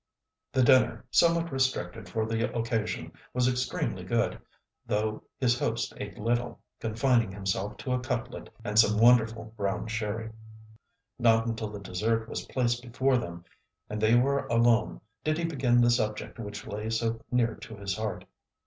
The dinner, somewhat restricted for the occasion, was extremely good, though his host ate little, confining himself to a cutlet and some wonderful brown sherry. Not until the dessert was placed before them and they were alone did he begin the subject which lay so near to his heart.